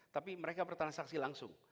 tapi mereka bertarung saksi langsung